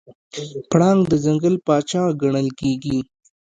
پړانګ د ځنګل پاچا ګڼل کېږي.